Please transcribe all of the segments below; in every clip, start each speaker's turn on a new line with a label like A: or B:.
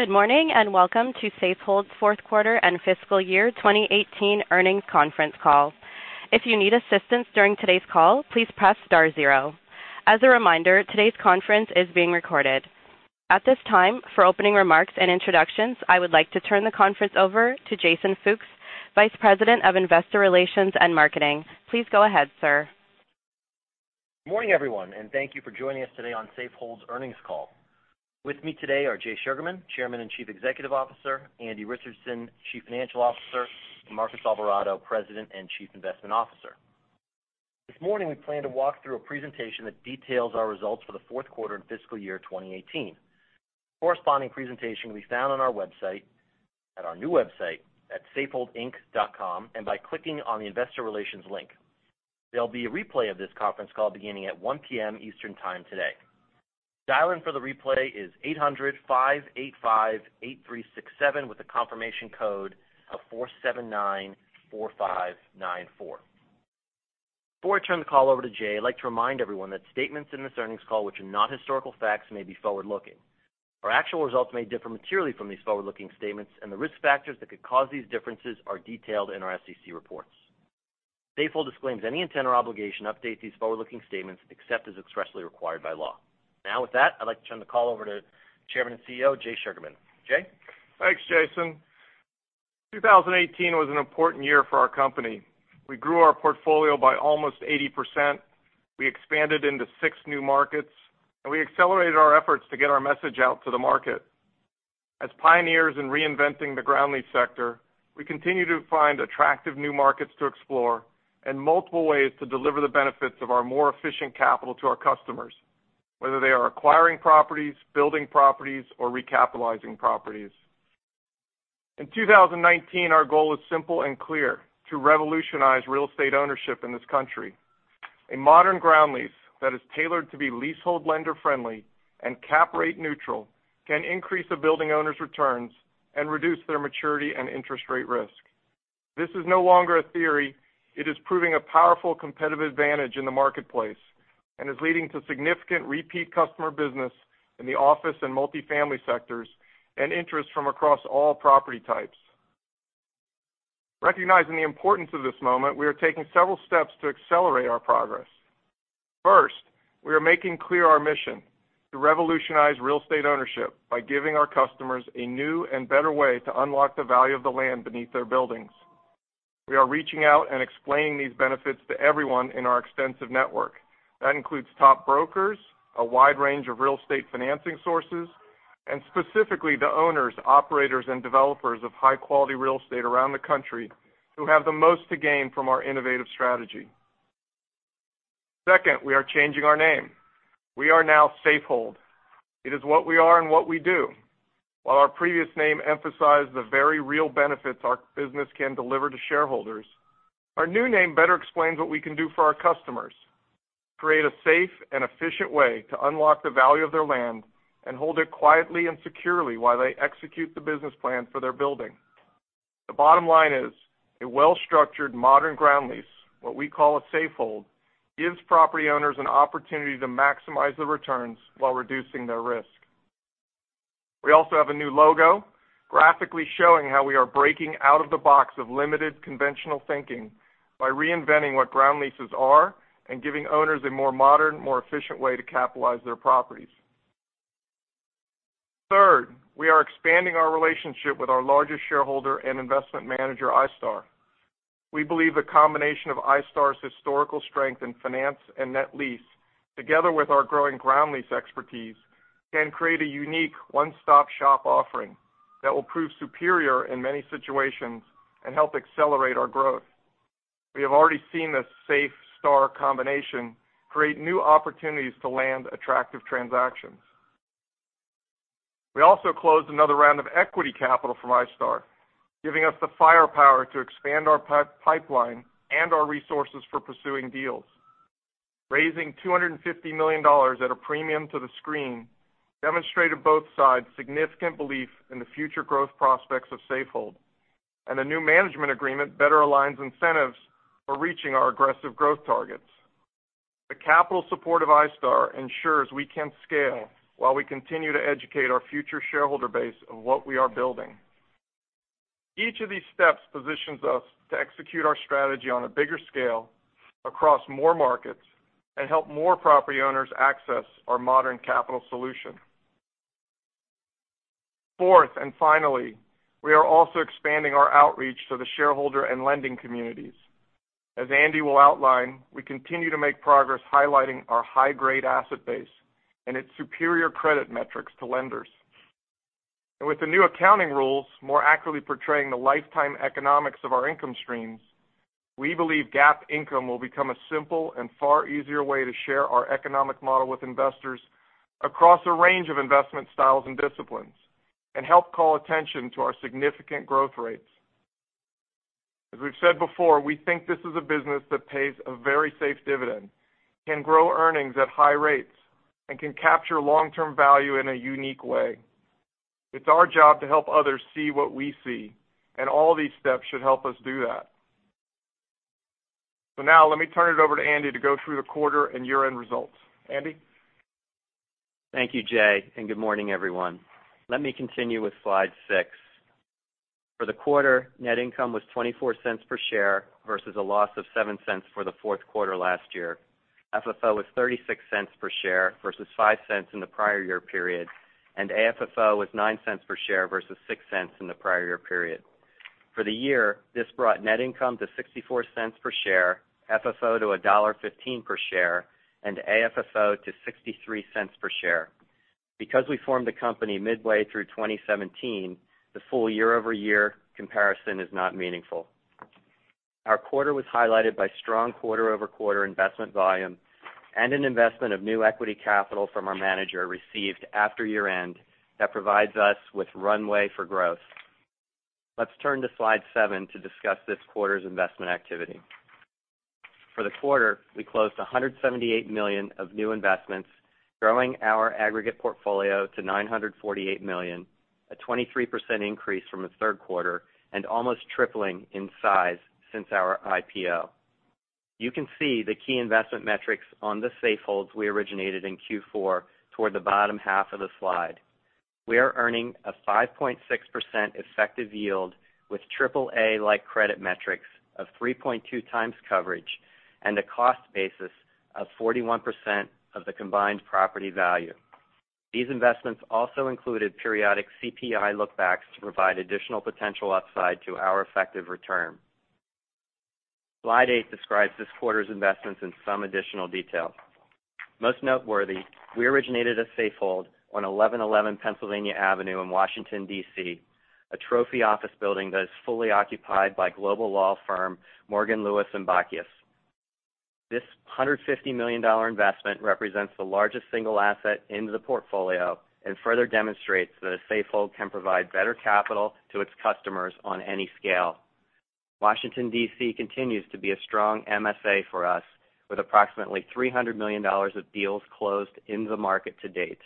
A: Good morning, welcome to Safehold's Q4 and fiscal year 2018 earnings conference call. If you need assistance during today's call, please press star zero. As a reminder, today's conference is being recorded. At this time, for opening remarks and introductions, I would like to turn the conference over to Jason Fooks, Vice President of Investor Relations and Marketing. Please go ahead, sir.
B: Good morning, everyone, thank you for joining us today on Safehold's earnings call. With me today are Jay Sugarman, Chairman and Chief Executive Officer; Andrew Richardson, Chief Financial Officer; and Marcos Alvarado, President and Chief Investment Officer. This morning, we plan to walk through a presentation that details our results for the Q4 and fiscal year 2018. The corresponding presentation can be found on our new website at safeholdinc.com and by clicking on the Investor Relations link. There'll be a replay of this conference call beginning at 1:00 P.M. Eastern Time today. Dial-in for the replay is 800-585-8367 with a confirmation code of 4794594. Before I turn the call over to Jay, I'd like to remind everyone that statements in this earnings call which are not historical facts, may be forward-looking. Our actual results may differ materially from these forward-looking statements, and the risk factors that could cause these differences are detailed in our SEC reports. Safehold disclaims any intent or obligation to update these forward-looking statements except as expressly required by law. With that, I'd like to turn the call over to Chairman and CEO, Jay Sugarman. Jay?
C: Thanks, Jason. 2018 was an important year for our company. We grew our portfolio by almost 80%. We expanded into six new markets, and we accelerated our efforts to get our message out to the market. As pioneers in reinventing the ground lease sector, we continue to find attractive new markets to explore and multiple ways to deliver the benefits of our more efficient capital to our customers, whether they are acquiring properties, building properties, or recapitalizing properties. In 2019, our goal is simple and clear: to revolutionize real estate ownership in this country. A modern ground lease that is tailored to be leasehold lender friendly and cap rate neutral can increase a building owner's returns and reduce their maturity and interest rate risk. This is no longer a theory. It is proving a powerful competitive advantage in the marketplace and is leading to significant repeat customer business in the office and multifamily sectors, and interest from across all property types. Recognizing the importance of this moment, we are taking several steps to accelerate our progress. First, we are making clear our mission to revolutionize real estate ownership by giving our customers a new and better way to unlock the value of the land beneath their buildings. We are reaching out and explaining these benefits to everyone in our extensive network. That includes top brokers, a wide range of real estate financing sources, and specifically the owners, operators, and developers of high-quality real estate around the country who have the most to gain from our innovative strategy. Second, we are changing our name. We are now Safehold. It is what we are and what we do. While our previous name emphasized the very real benefits our business can deliver to shareholders, our new name better explains what we can do for our customers, create a safe and efficient way to unlock the value of their land and hold it quietly and securely while they execute the business plan for their building. The bottom line is, a well-structured modern ground lease, what we call a safehold, gives property owners an opportunity to maximize the returns while reducing their risk. We also have a new logo graphically showing how we are breaking out of the box of limited conventional thinking by reinventing what ground leases are and giving owners a more modern, more efficient way to capitalize their properties. Third, we are expanding our relationship with our largest shareholder and investment manager, iStar. We believe the combination of iStar's historical strength in finance and net lease, together with our growing ground lease expertise, can create a unique one-stop shop offering that will prove superior in many situations and help accelerate our growth. We have already seen this SafeStar combination create new opportunities to land attractive transactions. We also closed another round of equity capital from iStar, giving us the firepower to expand our pipeline and our resources for pursuing deals. Raising $250 million at a premium to the screen demonstrated both sides' significant belief in the future growth prospects of Safehold. A new management agreement better aligns incentives for reaching our aggressive growth targets. The capital support of iStar ensures we can scale while we continue to educate our future shareholder base of what we are building. Each of these steps positions us to execute our strategy on a bigger scale across more markets and help more property owners access our modern capital solution. Fourth and finally, we are also expanding our outreach to the shareholder and lending communities. As Andy will outline, we continue to make progress highlighting our high-grade asset base and its superior credit metrics to lenders. With the new accounting rules more accurately portraying the lifetime economics of our income streams, we believe GAAP income will become a simple and far easier way to share our economic model with investors across a range of investment styles and disciplines and help call attention to our significant growth rates. As we've said before, we think this is a business that pays a very safe dividend, can grow earnings at high rates, and can capture long-term value in a unique way. It's our job to help others see what we see. All these steps should help us do that. Now let me turn it over to Andy to go through the quarter and year-end results. Andy?
D: Thank you, Jay. Good morning, everyone. Let me continue with slide six. For the quarter, net income was $0.24 per share versus a loss of $0.07 for the Q4 last year. FFO was $0.36 per share versus $0.05 in the prior year period. AFFO was $0.09 per share versus $0.06 in the prior year period. For the year, this brought net income to $0.64 per share, FFO to $1.15 per share, and AFFO to $0.63 per share. Because we formed the company midway through 2017, the full year-over-year comparison is not meaningful. Our quarter was highlighted by strong quarter-over-quarter investment volume and an investment of new equity capital from our manager received after year-end that provides us with runway for growth. Let's turn to slide seven to discuss this quarter's investment activity. For the quarter, we closed $178 million of new investments, growing our aggregate portfolio to $948 million, a 23% increase from the Q3, and almost tripling in size since our IPO. You can see the key investment metrics on the safeholds we originated in Q4 toward the bottom half of the slide. We are earning a 5.6% effective yield with triple A-like credit metrics of 3.2x coverage and a cost basis of 41% of the combined property value. These investments also included periodic CPI look-backs to provide additional potential upside to our effective return. Slide eight describes this quarter's investments in some additional detail. Most noteworthy, we originated a safehold on 1111 Pennsylvania Avenue in Washington, D.C., a trophy office building that is fully occupied by global law firm Morgan, Lewis & Bockius. This $150 million investment represents the largest single asset into the portfolio and further demonstrates that a safehold can provide better capital to its customers on any scale. Washington, D.C. continues to be a strong MSA for us, with approximately $300 million of deals closed in the market to date.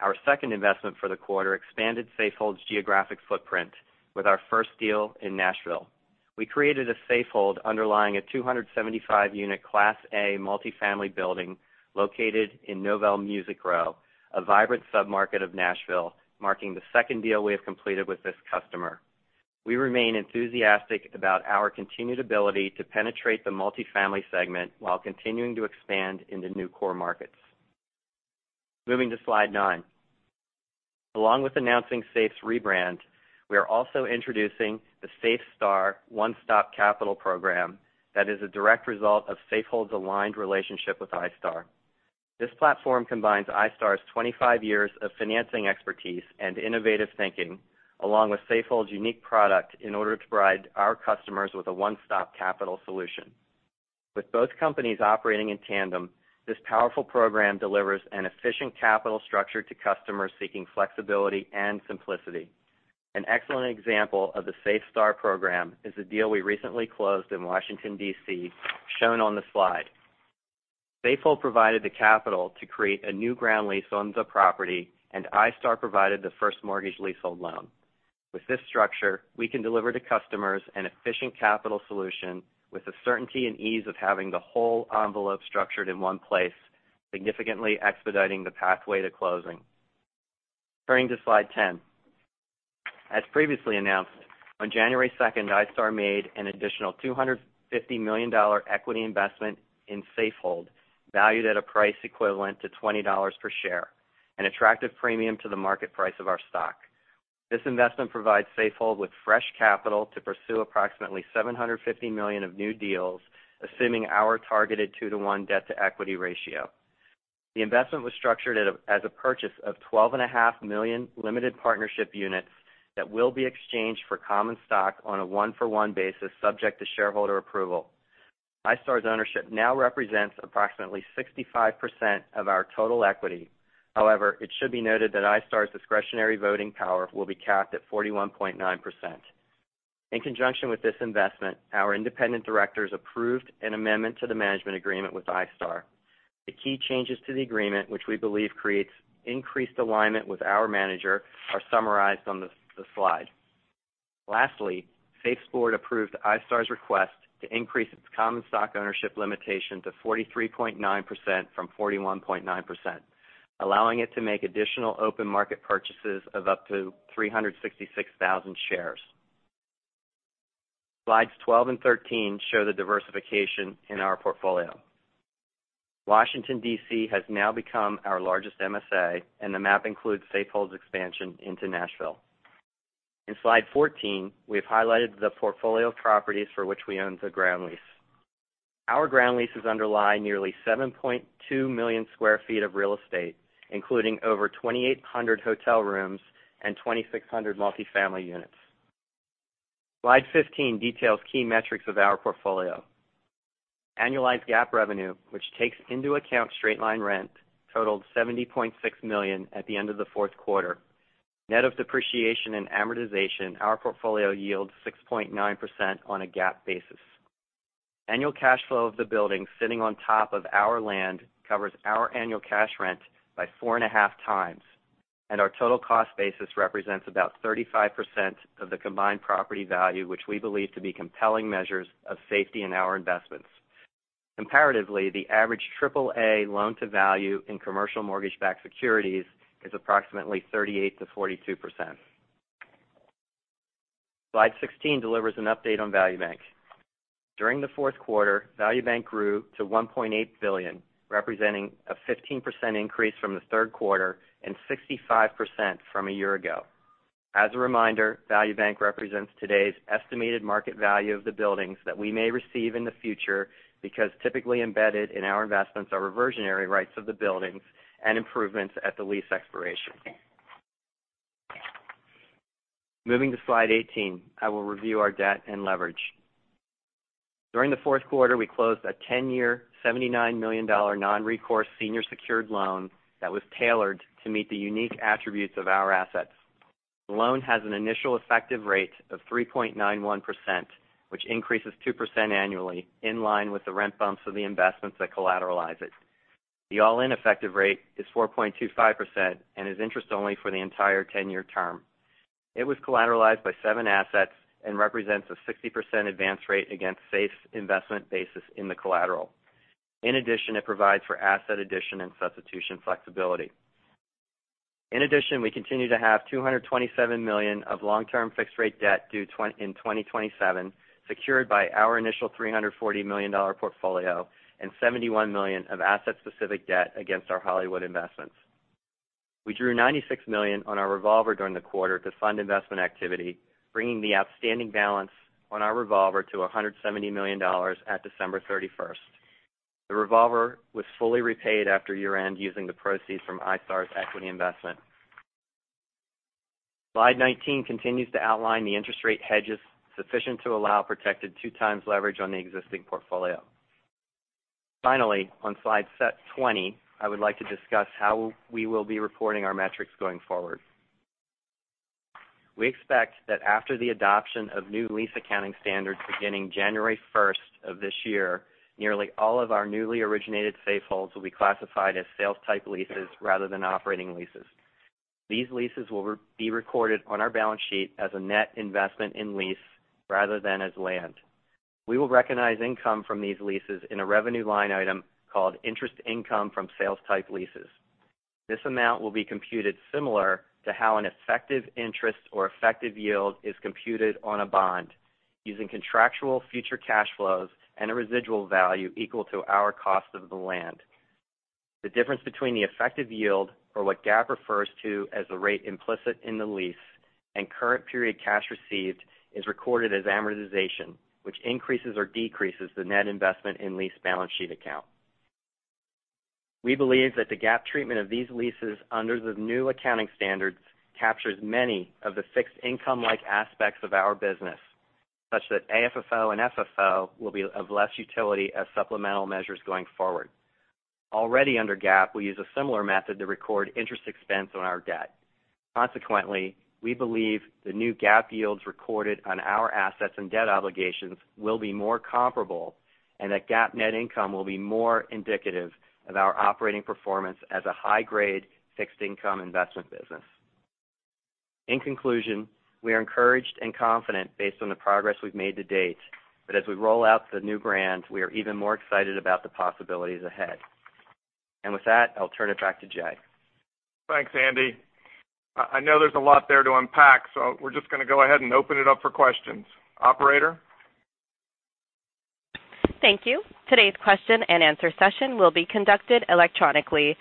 D: Our second investment for the quarter expanded Safehold's geographic footprint with our first deal in Nashville. We created a Safehold underlying a 275-unit Class A multifamily building located in Novel Music Row, a vibrant submarket of Nashville, marking the second deal we have completed with this customer. We remained enthusiastic about our continued ability to penetrate the multifamily segment while continuing to expand in the new core markets. Moving to slide nine. Along with announcing Safe's rebrand, we are also introducing the SafeStar One Stop Capital program that is a direct result of Safehold's aligned relationship with iStar. This platform combines iStar's 25 years of financing expertise and innovative thinking, along with Safehold's unique product, in order to provide our customers with a one-stop capital solution. With both companies operating in tandem, this powerful program delivers an efficient capital structure to customers seeking flexibility and simplicity. An excellent example of the SafeStar program is a deal we recently closed in Washington, D.C., shown on the slide. Safehold provided the capital to create a new ground lease on the property, and iStar provided the first mortgage leasehold loan. With this structure, we can deliver to customers an efficient capital solution with the certainty and ease of having the whole envelope structured in one place, significantly expediting the pathway to closing. Turning to slide 10. As previously announced, on January 2nd, iStar made an additional $250 million equity investment in Safehold, valued at a price equivalent to $20 per share, an attractive premium to the market price of our stock. This investment provides Safehold with fresh capital to pursue approximately $750 million of new deals, assuming our targeted 2:1 debt-to-equity ratio. The investment was structured as a purchase of $12.5 million limited partnership units that will be exchanged for common stock on a one-for-one basis, subject to shareholder approval. iStar's ownership now represents approximately 65% of our total equity. It should be noted that iStar's discretionary voting power will be capped at 41.9%. In conjunction with this investment, our independent directors approved an amendment to the management agreement with iStar. The key changes to the agreement, which we believe creates increased alignment with our manager, are summarized on the slide. Lastly, Safe's board approved iStar's request to increase its common stock ownership limitation to 43.9% from 41.9%, allowing it to make additional open market purchases of up to 366,000 shares. Slides 12 and 13 show the diversification in our portfolio. Washington, D.C. has now become our largest MSA, and the map includes Safehold's expansion into Nashville. Slide 14, we have highlighted the portfolio properties for which we own the ground lease. Our ground leases underlie nearly 7.2 million sq ft of real estate, including over 2,800 hotel rooms and 2,600 multifamily units. Slide 15 details key metrics of our portfolio. Annualized GAAP revenue, which takes into account straight-line rent, totaled $70.6 million at the end of the Q4. Net of depreciation and amortization, our portfolio yields 6.9% on a GAAP basis. Annual cash flow of the building sitting on top of our land covers our annual cash rent by 4.5x. Our total cost basis represents about 35% of the combined property value, which we believe to be compelling measures of safety in our investments. Comparatively, the average triple A loan-to-value in commercial mortgage-backed securities is approximately 38%-42%. Slide 16 delivers an update on Value Bank. During the Q4, Value Bank grew to $1.8 billion, representing a 15% increase from the Q3 and 65% from a year ago. As a reminder, Value Bank represents today's estimated market value of the buildings that we may receive in the future, because typically embedded in our investments are reversionary rights of the buildings and improvements at the lease expiration. Moving to slide 18, I will review our debt and leverage. During the Q4, we closed a 10-year, $79 million non-recourse senior secured loan that was tailored to meet the unique attributes of our assets. The loan has an initial effective rate of 3.91%, which increases 2% annually, in line with the rent bumps of the investments that collateralize it. The all-in effective rate is 4.25% and is interest only for the entire 10-year term. It was collateralized by seven assets and represents a 60% advance rate against Safehold investment basis in the collateral. In addition, it provides for asset addition and substitution flexibility. In addition, we continue to have $227 million of long-term fixed rate debt due in 2027, secured by our initial $340 million portfolio and $71 million of asset-specific debt against our Hollywood investments. We drew $96 million on our revolver during the quarter to fund investment activity, bringing the outstanding balance on our revolver to $170 million at December 31st. The revolver was fully repaid after year-end using the proceeds from iStar's equity investment. Slide 19 continues to outline the interest rate hedges sufficient to allow protected 2x leverage on the existing portfolio. Finally, on slide 20, I would like to discuss how we will be reporting our metrics going forward. We expect that after the adoption of new lease accounting standards beginning January 1st of this year, nearly all of our newly originated safeholds will be classified as sales-type leases rather than operating leases. These leases will be recorded on our balance sheet as a net investment in lease rather than as land. We will recognize income from these leases in a revenue line item called interest income from sales-type leases. This amount will be computed similar to how an effective interest or effective yield is computed on a bond, using contractual future cash flows and a residual value equal to our cost of the land. The difference between the effective yield, or what GAAP refers to as the rate implicit in the lease, and current period cash received is recorded as amortization, which increases or decreases the net investment in lease balance sheet account. We believe that the GAAP treatment of these leases under the new accounting standards captures many of the fixed income-like aspects of our business, such that AFFO and FFO will be of less utility as supplemental measures going forward. Already under GAAP, we use a similar method to record interest expense on our debt. Consequently, we believe the new GAAP yields recorded on our assets and debt obligations will be more comparable and that GAAP net income will be more indicative of our operating performance as a high-grade fixed income investment business. In conclusion, we are encouraged and confident based on the progress we've made to date, but as we roll out the new brand, we are even more excited about the possibilities ahead. With that, I'll turn it back to Jay.
C: Thanks, Andy. I know there's a lot there to unpack, we're just going to go ahead and open it up for questions. Operator?
A: Thank you. Today's question-and-answer session will be conducted electronically.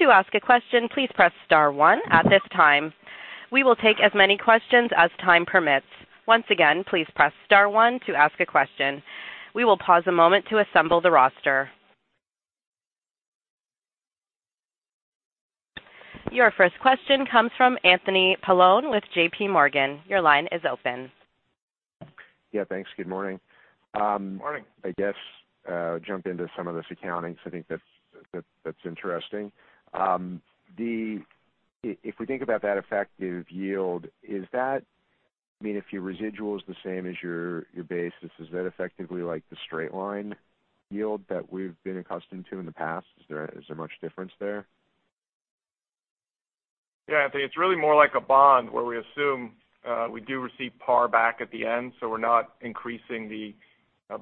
A: To ask a question, please press star one at this time. We will take as many questions as time permits. Once again, please press star one to ask a question. We will pause a moment to assemble the roster. Your first question comes from Anthony Paolone with JPMorgan. Your line is open.
E: Yeah, thanks. Good morning.
C: Morning.
E: I guess jump into some of this accounting, I think that's interesting. If we think about that effective yield, is that I mean, if your residual is the same as your basis, is that effectively like the straight line yield that we've been accustomed to in the past? Is there much difference there?
C: Anthony, it's really more like a bond where we assume we do receive par back at the end, so we're not increasing the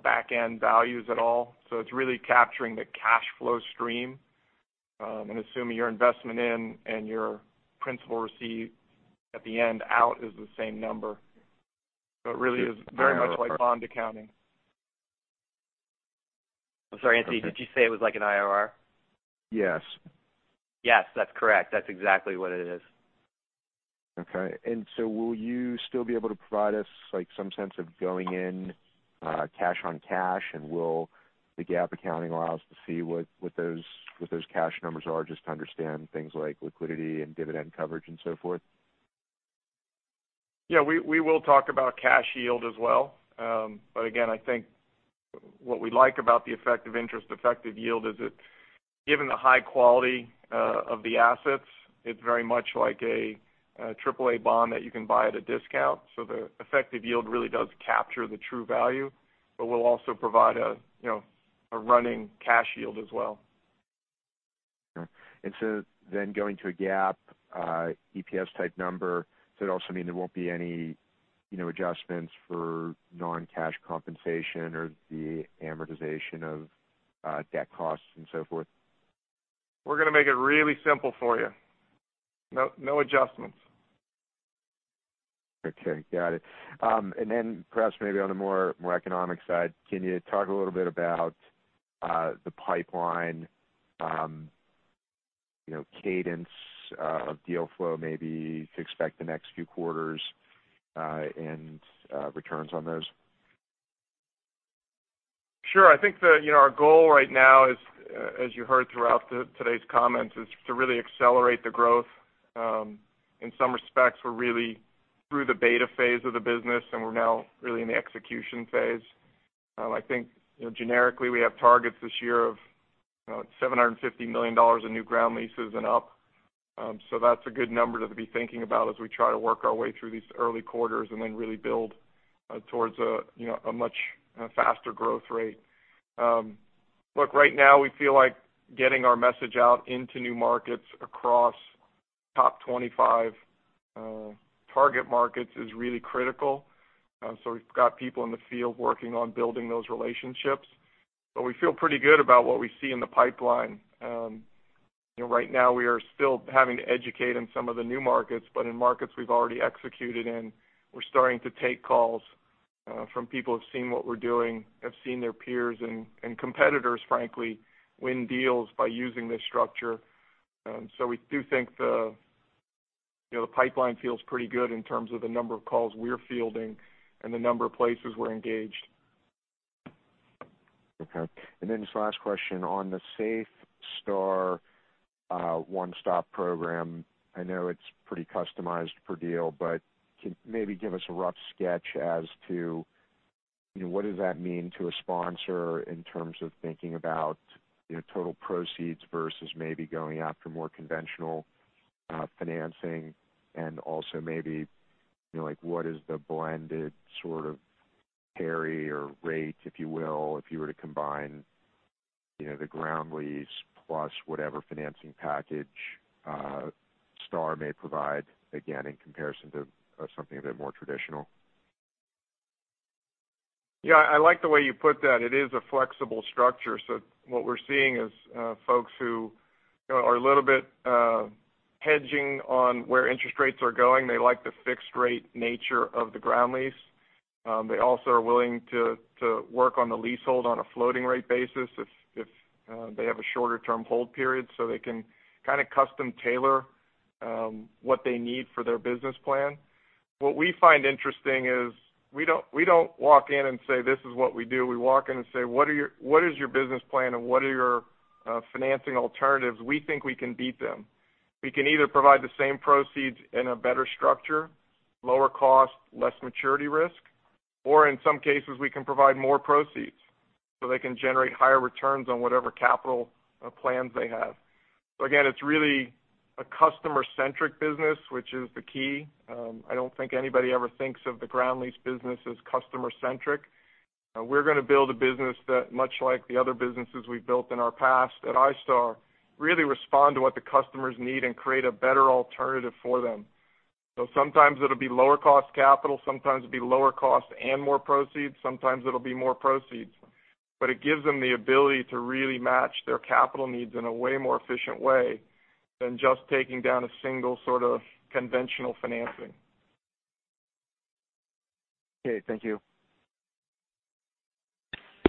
C: back end values at all. It's really capturing the cash flow stream, and assuming your investment in and your principal receipt at the end out is the same number. It really is very much like bond accounting.
D: I'm sorry, Anthony, did you say it was like an IRR?
E: Yes.
D: Yes, that's correct. That's exactly what it is.
E: Okay. Will you still be able to provide us some sense of going in cash on cash, and will the GAAP accounting allow us to see what those cash numbers are, just to understand things like liquidity and dividend coverage and so forth?
C: We will talk about cash yield as well. Again, I think what we like about the effective interest, effective yield is that given the high quality of the assets, it's very much like a triple A bond that you can buy at a discount. The effective yield really does capture the true value. We'll also provide a running cash yield as well.
E: Okay. Going to a GAAP EPS type number, does it also mean there won't be any adjustments for non-cash compensation or the amortization of debt costs and so forth?
C: We're going to make it really simple for you. No adjustments.
E: Okay, got it. Perhaps maybe on a more economic side, can you talk a little bit about the pipeline cadence of deal flow, maybe to expect the next few quarters, and returns on those?
C: Sure. I think that our goal right now is, as you heard throughout today's comments, is to really accelerate the growth. In some respects, we're really through the beta phase of the business, and we're now really in the execution phase. I think generically, we have targets this year of $750 million in new ground leases and up. That's a good number to be thinking about as we try to work our way through these early quarters and then really build towards a much faster growth rate. Look, right now we feel like getting our message out into new markets across top 25 target markets is really critical. We've got people in the field working on building those relationships. We feel pretty good about what we see in the pipeline. Right now we are still having to educate in some of the new markets, but in markets we've already executed in, we're starting to take calls from people who've seen what we're doing, have seen their peers and competitors, frankly, win deals by using this structure. We do think the pipeline feels pretty good in terms of the number of calls we're fielding and the number of places we're engaged.
E: Okay. This last question on the SafeStar One Stop Program, I know it's pretty customized per deal, but can you maybe give us a rough sketch as to what does that mean to a sponsor in terms of thinking about total proceeds versus maybe going after more conventional financing? What is the blended sort of carry or rate, if you will, if you were to combine the ground lease plus whatever financing package iStar may provide, again, in comparison to something a bit more traditional?
C: Yeah, I like the way you put that. It is a flexible structure. What we're seeing is folks who are a little bit hedging on where interest rates are going. They like the fixed rate nature of the ground lease. They also are willing to work on the leasehold on a floating rate basis if they have a shorter term hold period, so they can kind of custom tailor what they need for their business plan. What we find interesting is we don't walk in and say, "This is what we do." We walk in and say, "What is your business plan and what are your financing alternatives?" We think we can beat them. We can either provide the same proceeds in a better structure, lower cost, less maturity risk, or in some cases, we can provide more proceeds so they can generate higher returns on whatever capital plans they have. Again, it's really a customer-centric business, which is the key. I don't think anybody ever thinks of the ground lease business as customer-centric. We're going to build a business that, much like the other businesses we've built in our past at iStar, really respond to what the customers need and create a better alternative for them. Sometimes it'll be lower cost capital, sometimes it'll be lower cost and more proceeds, sometimes it'll be more proceeds. It gives them the ability to really match their capital needs in a way more efficient way than just taking down a single sort of conventional financing.
E: Okay. Thank you.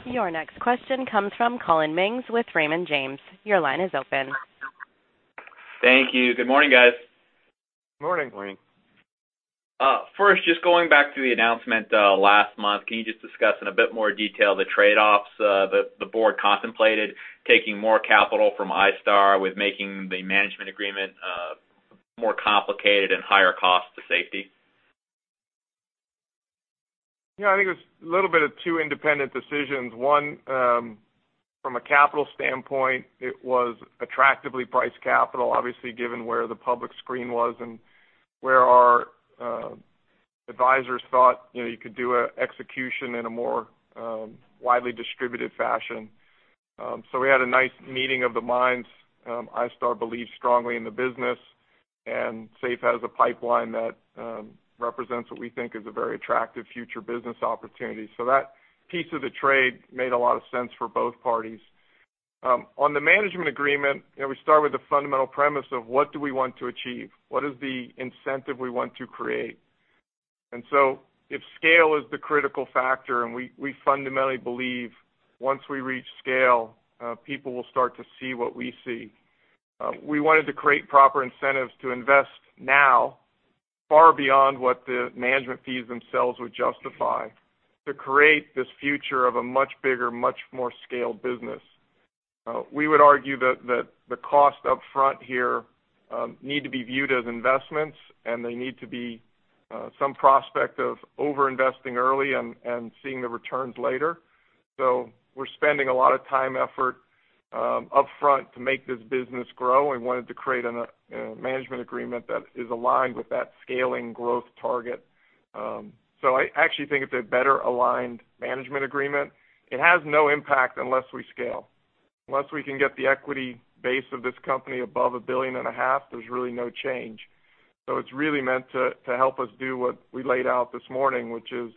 A: Your next question comes from Collin Mings with Raymond James. Your line is open.
F: Thank you. Good morning, guys.
C: Morning.
D: Morning.
F: First, just going back to the announcement last month, can you just discuss in a bit more detail the trade-offs the board contemplated taking more capital from iStar with making the management agreement more complicated and higher cost to Safehold?
C: Yeah, I think it was a little bit of two independent decisions. One, from a capital standpoint, it was attractively priced capital, obviously, given where the public screen was and where our advisors thought you could do execution in a more widely distributed fashion. We had a nice meeting of the minds. iStar believes strongly in the business, and SAFE has a pipeline that represents what we think is a very attractive future business opportunity. That piece of the trade made a lot of sense for both parties. On the management agreement, we start with the fundamental premise of what do we want to achieve? What is the incentive we want to create? If scale is the critical factor, and we fundamentally believe once we reach scale, people will start to see what we see. We wanted to create proper incentives to invest now, far beyond what the management fees themselves would justify, to create this future of a much bigger, much more scaled business. We would argue that the cost upfront here need to be viewed as investments, and they need to be some prospect of over-investing early and seeing the returns later. We're spending a lot of time, effort upfront to make this business grow, we wanted to create a management agreement that is aligned with that scaling growth target. I actually think it's a better-aligned management agreement. It has no impact unless we scale. Unless we can get the equity base of this company above 1.5 billion, there's really no change. It's really meant to help us do what we laid out this morning, which is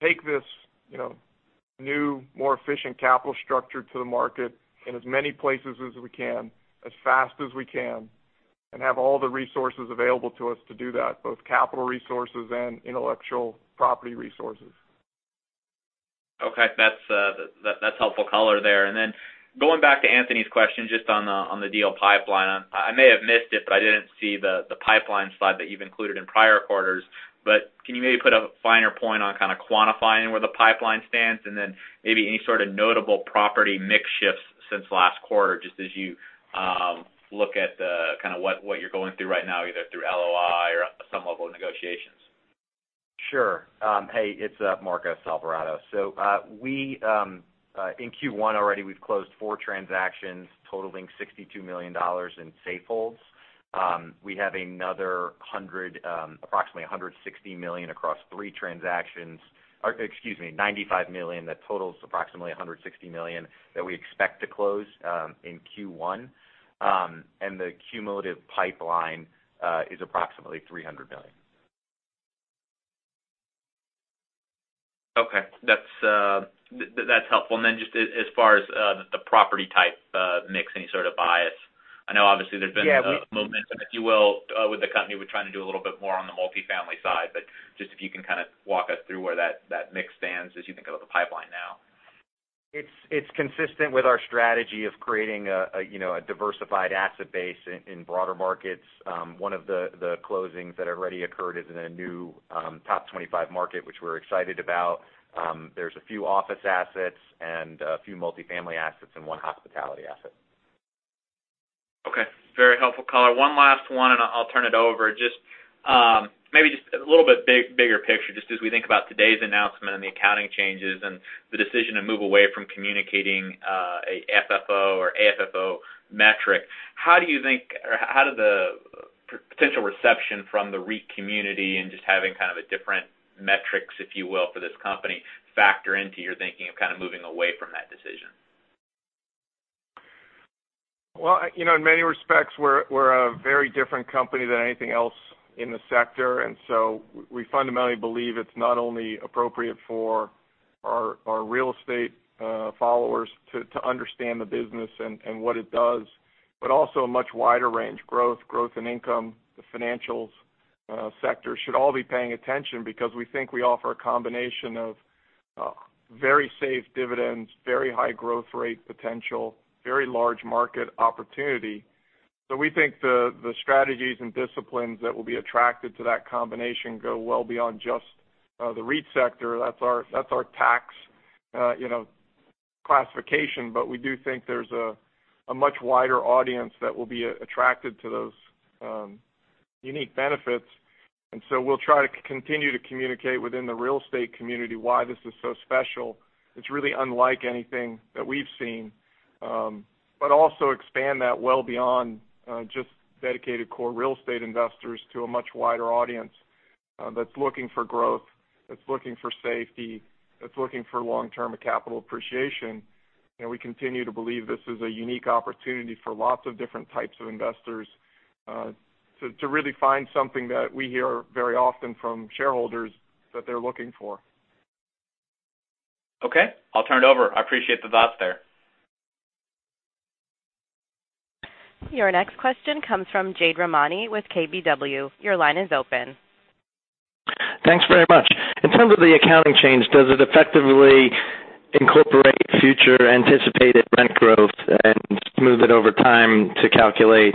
C: take this new, more efficient capital structure to the market in as many places as we can, as fast as we can, and have all the resources available to us to do that, both capital resources and intellectual property resources.
F: Okay. That's helpful color there. Going back to Anthony's question just on the deal pipeline. I may have missed it, but I didn't see the pipeline slide that you've included in prior quarters. Can you maybe put a finer point on kind of quantifying where the pipeline stands? Maybe any sort of notable property mix shifts since last quarter, just as you look at kind of what you're going through right now, either through LOI or some level of negotiations.
G: Sure. Hey, it's Marcos Alvarado. In Q1 already, we've closed four transactions totaling $62 million in safeholds. We have another approximately $160 million across three transactions, or excuse me, $95 million that totals approximately $160 million that we expect to close in Q1. The cumulative pipeline is approximately $300 million.
F: Okay. That's helpful. Just as far as the property type mix, any sort of bias? I know obviously there's been momentum, if you will, with the company with trying to do a little bit more on the multifamily side, just if you can kind of walk us through where that mix stands as you think about the pipeline now.
G: It's consistent with our strategy of creating a diversified asset base in broader markets. One of the closings that already occurred is in a new top 25 market, which we're excited about. There's a few office assets and a few multifamily assets and one hospitality asset.
F: Okay. Very helpful color. One last one, I'll turn it over. Just maybe a little bit bigger picture, just as we think about today's announcement and the accounting changes and the decision to move away from communicating a FFO or AFFO metric. How do the potential reception from the REIT community and just having kind of a different metrics, if you will, for this company, factor into your thinking of kind of moving away from that decision?
C: Well, in many respects, we're a very different company than anything else in the sector. We fundamentally believe it's not only appropriate for our real estate followers to understand the business and what it does, but also a much wider range growth in income, the financials sector should all be paying attention because we think we offer a combination of very safe dividends, very high growth rate potential, very large market opportunity. We think the strategies and disciplines that will be attracted to that combination go well beyond just the REIT sector. That's our tax classification. We do think there's a much wider audience that will be attracted to those unique benefits. We'll try to continue to communicate within the real estate community why this is so special. It's really unlike anything that we've seen but also expand that well beyond just dedicated core real estate investors to a much wider audience that's looking for growth, that's looking for safety, that's looking for long-term capital appreciation. We continue to believe this is a unique opportunity for lots of different types of investors, to really find something that we hear very often from shareholders that they're looking for.
F: Okay. I'll turn it over. I appreciate the thoughts there.
A: Your next question comes from Jade Rahmani with KBW. Your line is open.
H: Thanks very much. In terms of the accounting change, does it effectively incorporate future anticipated rent growth and smooth it over time to calculate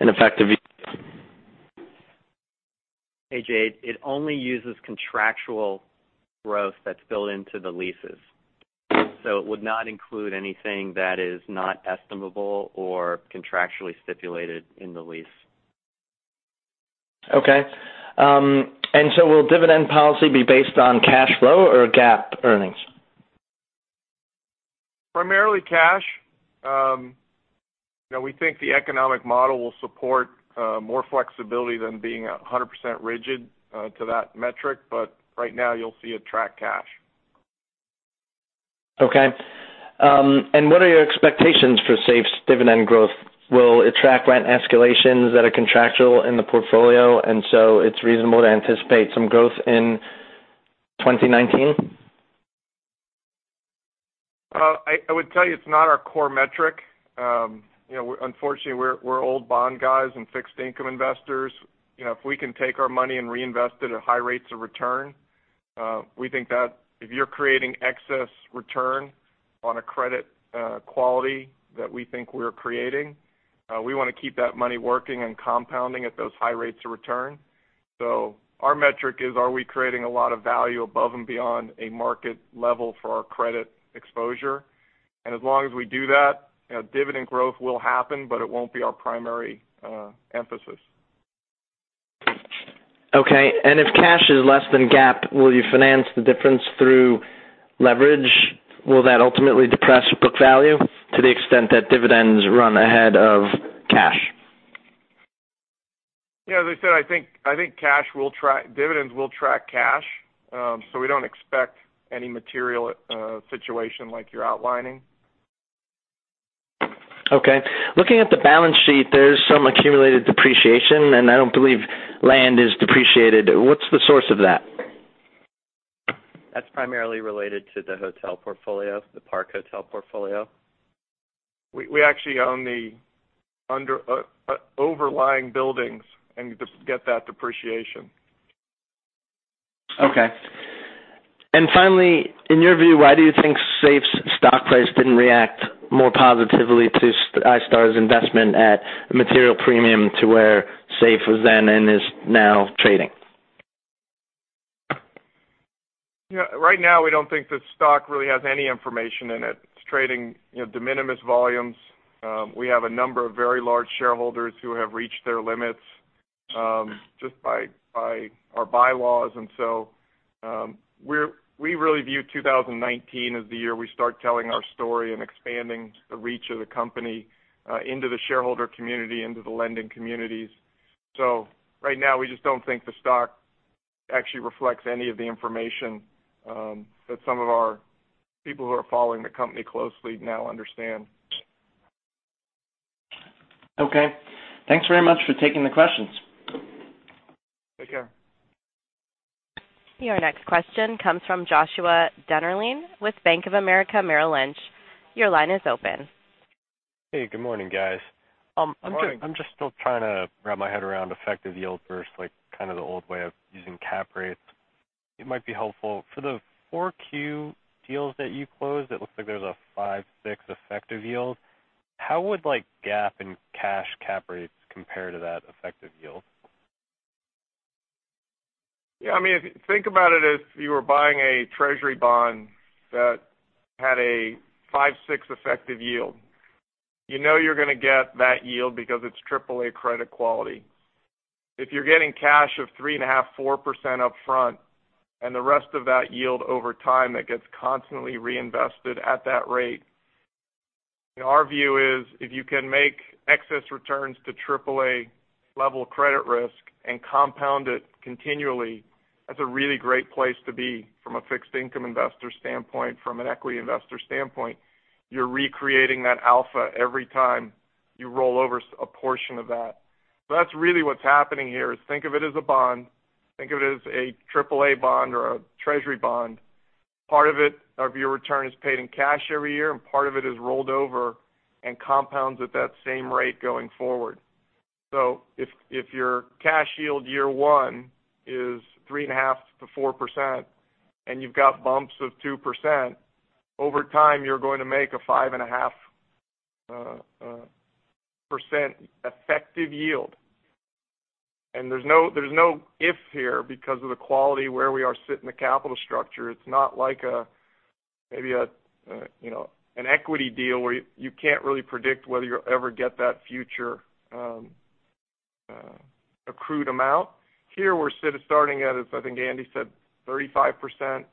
H: an effective yield?
G: Hey, Jade. It only uses contractual growth that's built into the leases. It would not include anything that is not estimable or contractually stipulated in the lease.
H: Okay. Will dividend policy be based on cash flow or GAAP earnings?
C: Primarily cash. We think the economic model will support more flexibility than being 100% rigid to that metric. Right now, you'll see it track cash.
H: Okay. What are your expectations for Safe's dividend growth? Will it track rent escalations that are contractual in the portfolio, it's reasonable to anticipate some growth in 2019?
C: I would tell you it's not our core metric. Unfortunately, we're old bond guys and fixed income investors. If we can take our money and reinvest it at high rates of return, we think that if you're creating excess return on a credit quality that we think we're creating, we want to keep that money working and compounding at those high rates of return. Our metric is, are we creating a lot of value above and beyond a market level for our credit exposure? As long as we do that, dividend growth will happen, but it won't be our primary emphasis.
H: Okay. If cash is less than GAAP, will you finance the difference through leverage? Will that ultimately depress book value to the extent that dividends run ahead of cash?
C: Yeah, as I said, I think dividends will track cash. We don't expect any material situation like you're outlining.
H: Okay. Looking at the balance sheet, there's some accumulated depreciation, and I don't believe land is depreciated. What's the source of that?
D: That's primarily related to the hotel portfolio, the Park Hotel portfolio.
C: We actually own the overlying buildings and get that depreciation.
H: Okay. Finally, in your view, why do you think Safe's stock price didn't react more positively to iStar's investment at a material premium to where SAFE was then and is now trading?
C: Right now, we don't think the stock really has any information in it. It's trading de minimis volumes. We have a number of very large shareholders who have reached their limits, just by our bylaws. We really view 2019 as the year we start telling our story and expanding the reach of the company into the shareholder community, into the lending communities. Right now, we just don't think the stock actually reflects any of the information that some of our people who are following the company closely now understand.
H: Okay. Thanks very much for taking the questions.
C: Take care.
A: Your next question comes from Joshua Dennerlein with Bank of America Merrill Lynch. Your line is open.
I: Hey, good morning, guys.
C: Morning.
I: I'm just still trying to wrap my head around effective yield versus the old way of using cap rates. It might be helpful. For the Q4 deals that you closed, it looks like there's a 5.6% effective yield. How would GAAP and cash cap rates compare to that effective yield?
C: Think about it, if you were buying a Treasury bond that had a 5.6% effective yield. You know you're going to get that yield because it's AAA credit quality. If you're getting cash of 3.5%-4% upfront, and the rest of that yield over time, that gets constantly reinvested at that rate. Our view is, if you can make excess returns to AAA level credit risk and compound it continually, that's a really great place to be from a fixed income investor standpoint, from an equity investor standpoint. You're recreating that alpha every time you roll over a portion of that. That's really what's happening here, is think of it as a bond, think of it as a AAA bond or a Treasury bond. Part of it, of your return, is paid in cash every year, and part of it is rolled over and compounds at that same rate going forward. If your cash yield year one is 3.5%-4% and you've got bumps of 2%, over time, you're going to make a 5.5% effective yield. There's no if here because of the quality where we are sitting in the capital structure. It's not like maybe an equity deal where you can't really predict whether you'll ever get that future accrued amount. Here, we're starting at, as I think Andy said, 35%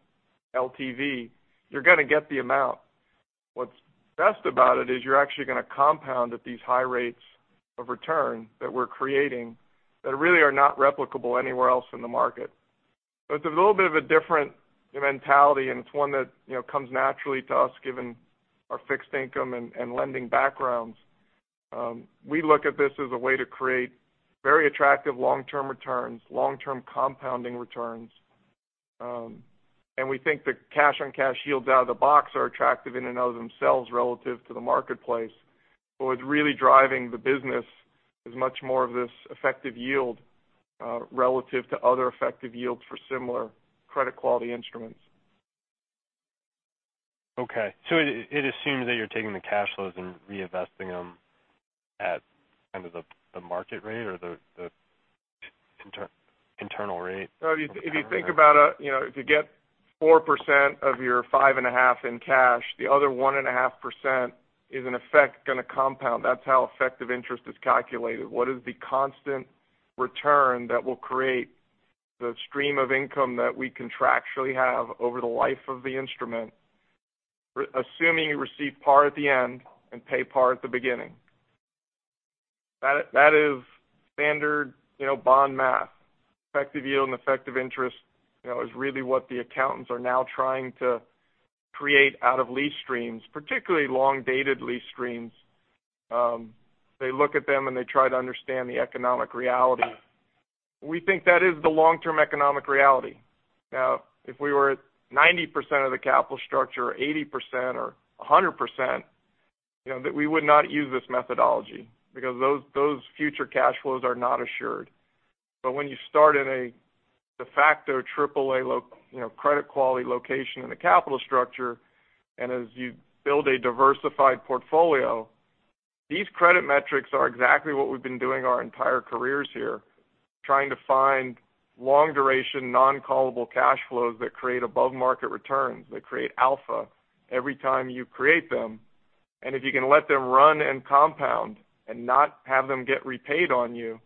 C: LTV. You're gonna get the amount. What's best about it is you're actually gonna compound at these high rates of return that we're creating that really are not replicable anywhere else in the market. It's a little bit of a different mentality, and it's one that comes naturally to us, given our fixed income and lending backgrounds. We look at this as a way to create very attractive long-term returns, long-term compounding returns. We think the cash-on-cash yields out of the box are attractive in and of themselves relative to the marketplace. What's really driving the business is much more of this effective yield relative to other effective yields for similar credit quality instruments.
I: Okay. It assumes that you're taking the cash flows and reinvesting them at kind of the market rate or the internal rate?
C: If you think about if you get 4% of your 5.5% in cash, the other 1.5% is in effect gonna compound. That's how effective interest is calculated. What is the constant return that will create the stream of income that we contractually have over the life of the instrument, assuming you receive par at the end and pay par at the beginning? That is standard bond math. Effective yield and effective interest is really what the accountants are now trying to create out of lease streams, particularly long-dated lease streams. They look at them, and they try to understand the economic reality. We think that is the long-term economic reality. Now, if we were at 90% of the capital structure, or 80%, or 100%, we would not use this methodology because those future cash flows are not assured. When you start in a de facto AAA credit quality location in the capital structure, and as you build a diversified portfolio, these credit metrics are exactly what we've been doing our entire careers here, trying to find long-duration, non-callable cash flows that create above-market returns, that create alpha every time you create them. If you can let them run and compound and not have them get repaid on you,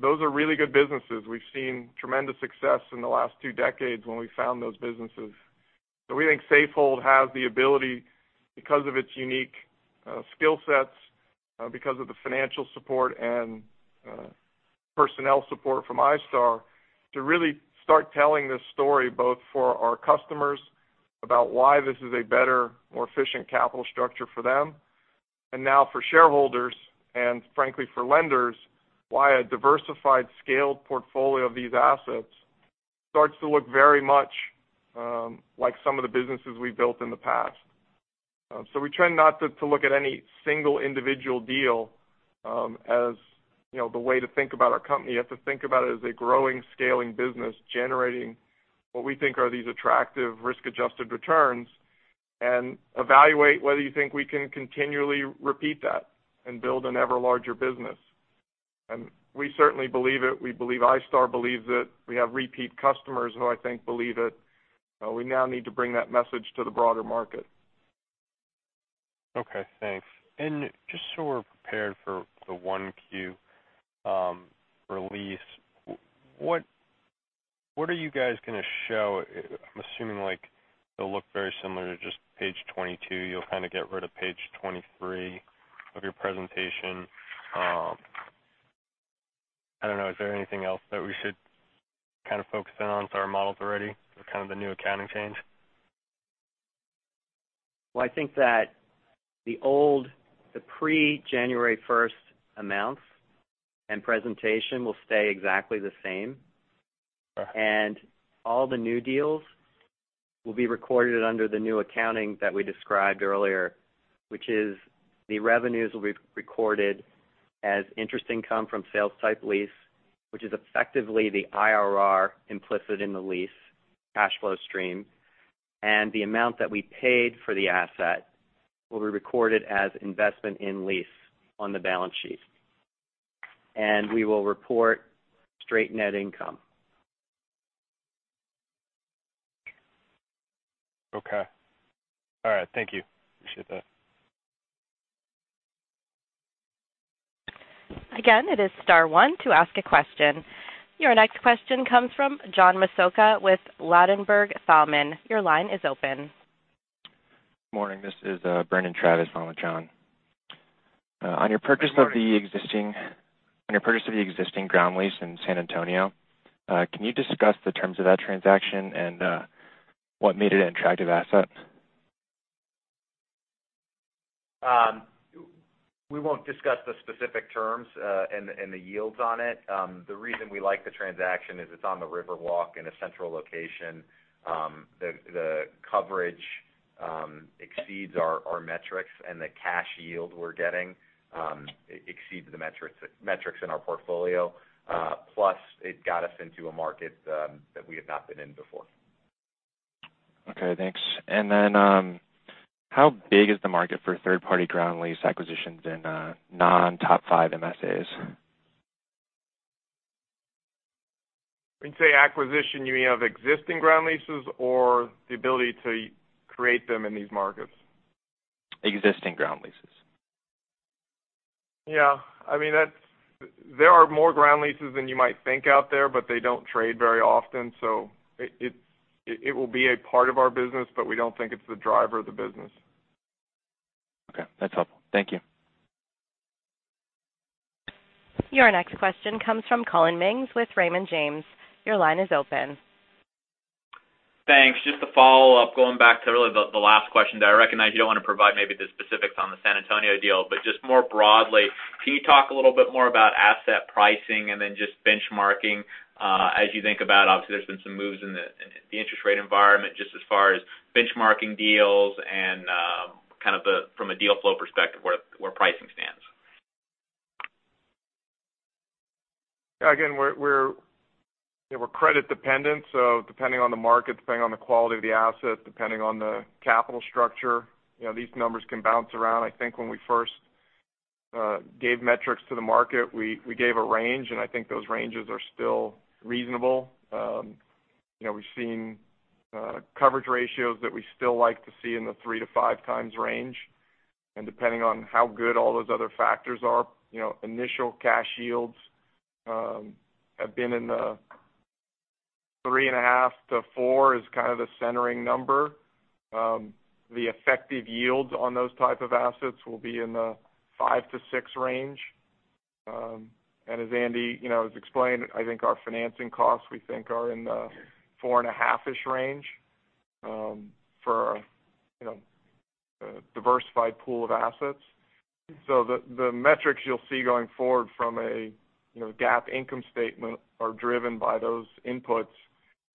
C: those are really good businesses. We've seen tremendous success in the last two decades when we found those businesses. We think Safehold has the ability, because of its unique skill sets, because of the financial support and personnel support from iStar, to really start telling this story, both for our customers about why this is a better, more efficient capital structure for them, and now for shareholders, and frankly, for lenders, why a diversified scaled portfolio of these assets starts to look very much like some of the businesses we've built in the past. We try not to look at any single individual deal as the way to think about our company. You have to think about it as a growing, scaling business, generating what we think are these attractive risk-adjusted returns, and evaluate whether you think we can continually repeat that and build an ever larger business. We certainly believe it. We believe iStar believes it. We have repeat customers who I think believe it. We now need to bring that message to the broader market.
I: Okay, thanks. Just so we're prepared for the Q1 release, what are you guys going to show? I'm assuming it'll look very similar to just page 22. You'll kind of get rid of page 23 of your presentation. I don't know, is there anything else that we should kind of focus in on for our models already for kind of the new accounting change?
D: Well, I think that the old, the pre-January 1st amounts and presentation will stay exactly the same and all the new deals will be recorded under the new accounting that we described earlier. Which is the revenues will be recorded as interest income from sales-type lease, which is effectively the IRR implicit in the lease cash flow stream. The amount that we paid for the asset will be recorded as investment in lease on the balance sheet. We will report straight net income.
I: Okay. All right. Thank you. Appreciate that.
A: Again, it is star one to ask a question. Your next question comes from John Massocca with Ladenburg Thalmann. Your line is open.
J: Morning, this is Brandon Travis. I am with John.
C: Sorry.
J: On your purchase of the existing ground lease in San Antonio, can you discuss the terms of that transaction and what made it an attractive asset?
G: We won't discuss the specific terms and the yields on it. The reason we like the transaction is it's on the River Walk in a central location. The coverage exceeds our metrics, and the cash yield we're getting exceeds the metrics in our portfolio plus it got us into a market that we have not been in before.
J: Okay, thanks. How big is the market for third-party ground lease acquisitions in non-top five MSAs?
C: When you say acquisition, you mean of existing ground leases or the ability to create them in these markets?
J: Existing ground leases.
C: Yeah. There are more ground leases than you might think out there, but they don't trade very often. It will be a part of our business, but we don't think it's the driver of the business.
J: Okay. That's helpful. Thank you.
A: Your next question comes from Collin Mings with Raymond James. Your line is open.
F: Thanks. Just to follow up, going back to really the last question, that I recognize you don't want to provide maybe the specifics on the San Antonio deal. Just more broadly, can you talk a little bit more about asset pricing and then just benchmarking, as you think about, obviously, there's been some moves in the interest rate environment, just as far as benchmarking deals and kind of from a deal flow perspective, where pricing stands.
C: We're credit-dependent, depending on the market, depending on the quality of the asset, depending on the capital structure, these numbers can bounce around. I think when we first gave metrics to the market, we gave a range, and I think those ranges are still reasonable. We've seen coverage ratios that we still like to see in the three to five times range. Depending on how good all those other factors are, initial cash yields have been in the 3.5-4 is kind of the centering number. The effective yields on those type of assets will be in the five to six range. As Andy has explained, I think our financing costs, we think are in the 4.5-ish range for a diversified pool of assets. The metrics you'll see going forward from a GAAP income statement are driven by those inputs,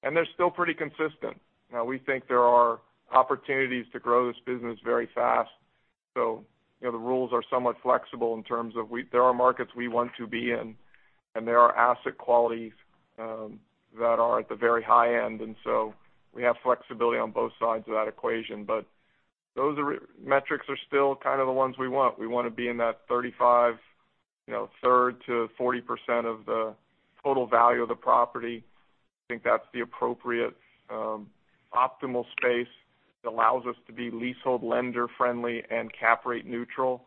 C: and they're still pretty consistent. We think there are opportunities to grow this business very fast. The rules are somewhat flexible in terms of there are markets we want to be in, and there are asset qualities that are at the very high end. We have flexibility on both sides of that equation. Those metrics are still kind of the ones we want. We want to be in that 35%-40% of the total value of the property. I think that's the appropriate optimal space that allows us to be leasehold lender friendly and cap rate neutral.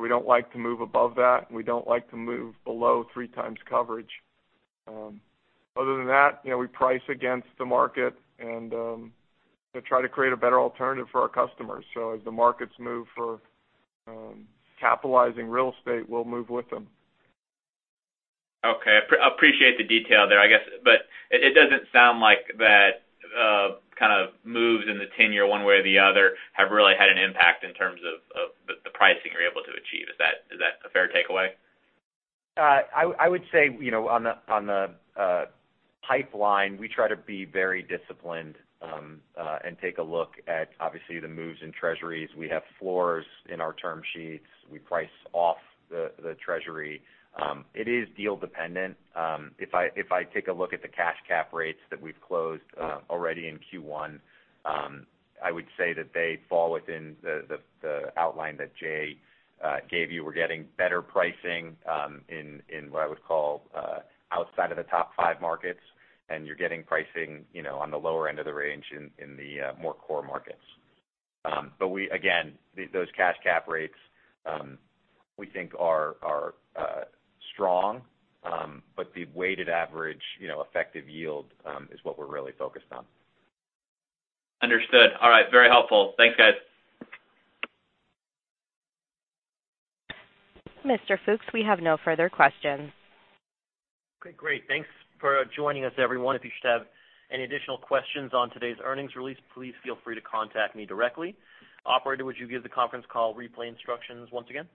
C: We don't like to move above that, and we don't like to move below three times coverage. Other than that, we price against the market and try to create a better alternative for our customers. As the markets move for capitalizing real estate, we'll move with them.
F: Okay. I appreciate the detail there. It doesn't sound like that kind of moves in the 10-year one way or the other have really had an impact in terms of the pricing you're able to achieve. Is that a fair takeaway?
G: I would say, on the pipeline, we try to be very disciplined and take a look at, obviously, the moves in treasuries. We have floors in our term sheets. We price off the treasury. It is deal dependent. If I take a look at the cash cap rates that we've closed already in Q1, I would say that they fall within the outline that Jay gave you. We're getting better pricing in what I would call outside of the top five markets, and you're getting pricing on the lower end of the range in the more core markets. Again, those cash cap rates we think are strong, but the weighted average effective yield is what we're really focused on.
F: Understood. All right. Very helpful. Thanks, guys.
A: Mr. Fooks, we have no further questions.
B: Okay, great. Thanks for joining us, everyone. If you should have any additional questions on today's earnings release, please feel free to contact me directly. Operator, would you give the conference call replay instructions once again?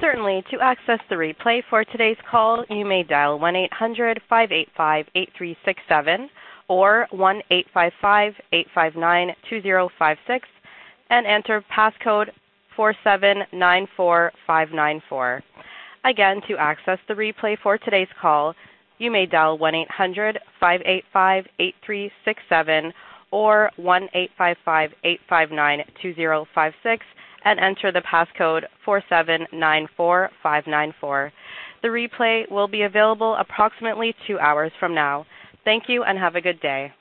A: Certainly. To access the replay for today's call, you may dial 1-800-585-8367 or 1-855-859-2056 and enter passcode 4794594. Again, to access the replay for today's call, you may dial 1-800-585-8367 or 1-855-859-2056 and enter the passcode 4794594. The replay will be available approximately two hours from now. Thank you and have a good day.